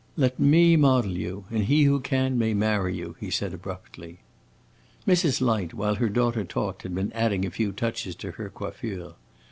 "Let me model you, and he who can may marry you!" he said, abruptly. Mrs. Light, while her daughter talked, had been adding a few touches to her coiffure.